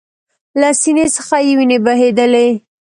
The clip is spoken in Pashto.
له سینې څخه یې ویني بهېدلې